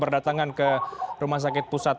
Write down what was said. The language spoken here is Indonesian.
berdatangan ke rumah sakit pusat